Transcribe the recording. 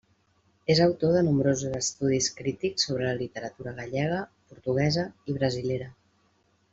És autor de nombrosos estudis crítics sobre la literatura gallega, portuguesa i brasilera.